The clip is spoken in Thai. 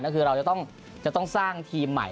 ก็คือเราจะต้องสร้างทีมใหม่